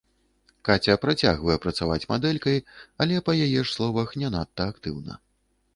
Каця працягвае працаваць мадэлькай, але, па яе ж словах, не надта актыўна.